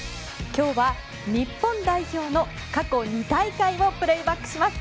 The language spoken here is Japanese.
今日は日本代表の過去２大会をプレーバックします。